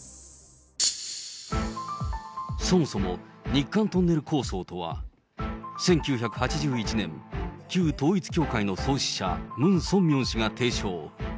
そもそも日韓トンネル構想とは、１９８１年、旧統一教会の創始者、ムン・ソンミョン氏が提唱。